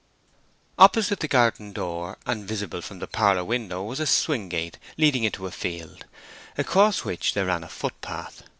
Opposite the garden door and visible from the parlor window was a swing gate leading into a field, across which there ran a footpath.